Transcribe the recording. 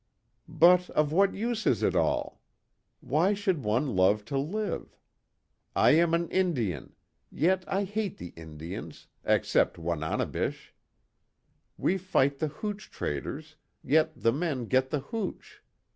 "But, of what use is it all? Why should one love to live? I am an Indian yet I hate the Indians except Wananebish. We fight the hooch traders, yet the men get the hooch.